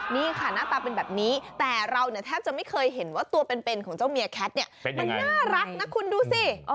นี่ค่ะหน้าตาเป็นแบบนี้แต่เราเนี่ยแทบจะไม่เคยเห็นว่าตัวเป็นของเจ้าเมียแคทเนี่ยมันน่ารักนะคุณดูสิ